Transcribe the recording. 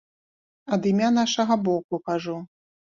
Я ад імя нашага боку кажу.